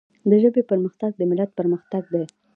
د ژبي پرمختګ د ملت پرمختګ دی.